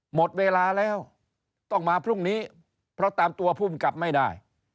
หมดเวลาแล้วต้องมาพรุ่งนี้เพราะตามตัวภูมิกับไม่ได้